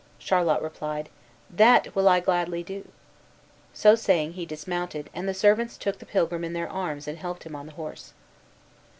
Charlot replied, "That will I gladly do." So saying, he dismounted, and the servants took the pilgrim in their arms, and helped him on the horse.